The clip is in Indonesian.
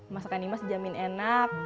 masakan imas jamin enak